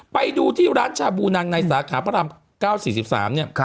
ไปดูที่ร้านชาบูนังในสาขาพระราม๙๔๓เนี่ย